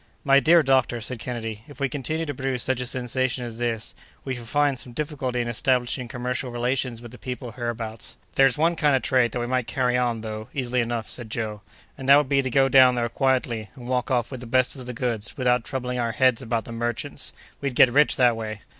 "My dear doctor," said Kennedy, "if we continue to produce such a sensation as this, we shall find some difficulty in establishing commercial relations with the people hereabouts." "There's one kind of trade that we might carry on, though, easily enough," said Joe; "and that would be to go down there quietly, and walk off with the best of the goods, without troubling our heads about the merchants; we'd get rich that way!"